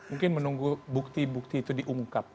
mungkin menunggu bukti bukti itu diungkap